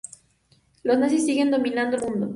Los nazis siguen dominando el mundo.